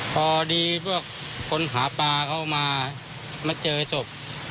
พอดีพวกคนหาปลาเข้ามามาเจอศพ